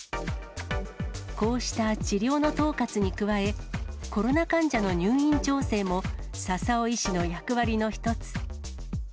こうした治療の統括に加え、コロナ患者の入院調整も笹尾医師の役割の一つ。